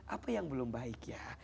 apa yang belum baik ya